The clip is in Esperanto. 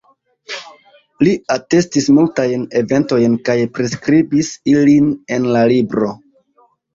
Li atestis multajn eventojn kaj priskribis ilin en la libro.